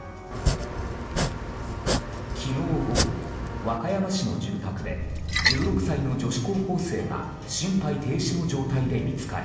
昨日午後和歌山市の住宅で１６歳の女子高校生が心肺停止の状態で見つかり